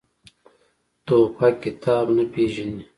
توپک کتاب نه پېژني.